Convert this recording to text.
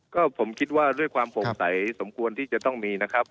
ก็ผมคิดว่าด้วยความโปร่งใสสมควรที่จะต้องมีนะครับ